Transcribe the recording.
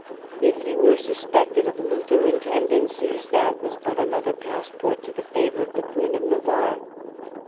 If he were suspected of Lutheran tendencies, that was but another passport to the favor of the Queen of Navarre.